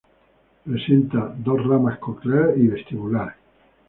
Presenta dos ramas, "coclear" y "vestibular".